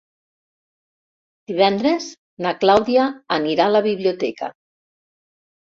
Divendres na Clàudia anirà a la biblioteca.